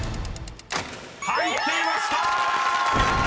［入っていました！］